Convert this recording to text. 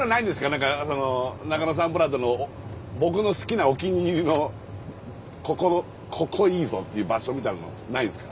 何かその中野サンプラザの僕の好きなお気に入りのここいいぞっていう場所みたいなのないんですか？